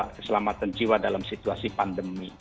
keselamatan jiwa dalam situasi pandemi